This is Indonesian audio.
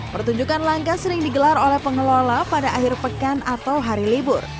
pertunjukan langka sering digelar oleh pengelola pada akhir pekan atau hari libur